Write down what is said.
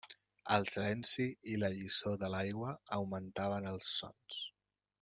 El silenci i la llisor de l'aigua augmentaven els sons.